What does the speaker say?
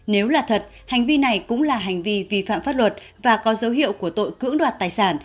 nếu là thật hành vi này cũng là hành vi vi phạm pháp luật và có dấu hiệu của tội cưỡng đoạt tài sản